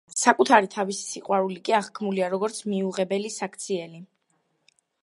საკუთარი თავის სიყვარული კი აღქმულია, როგორც მიუღებელი საქციელი.